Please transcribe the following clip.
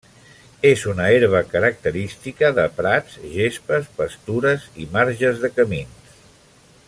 És una herba característica de prats, gespes, pastures i marges de camins.